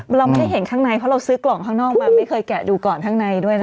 เราไม่ได้เห็นข้างในเพราะเราซื้อกล่องข้างนอกมาไม่เคยแกะดูก่อนข้างในด้วยนะ